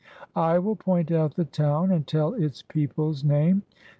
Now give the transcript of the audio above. I will point out the town and tell its people's name.